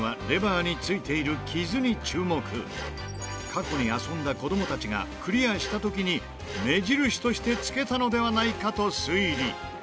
過去に遊んだ子どもたちがクリアした時に目印としてつけたのではないかと推理。